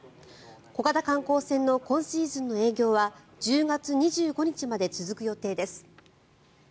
小型観光船の今シーズンの営業は１０月２５日まで続く予定です。